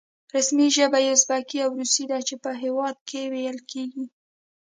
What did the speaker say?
رسمي ژبه یې ازبکي او روسي ده چې په هېواد کې ویل کېږي.